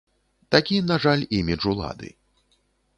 Такі, на жаль, імідж улады.